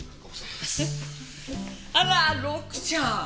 あら禄ちゃん！